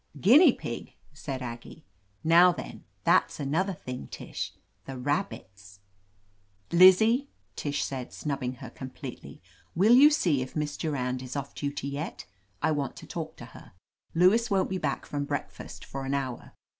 "Guinea pig," said Aggie. "Now then, that's another thing, Tish. The rabbits —" "Lizzie," Tish said, snubbing her com pletely. "Will you see if Miss Durand is off duty yet ? I want to talk to her. Lewis won't be back from breakfast for an hour.